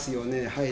はい。